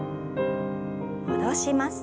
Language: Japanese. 戻します。